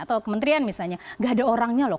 atau kementerian misalnya gak ada orangnya loh